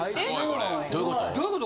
どういうこと？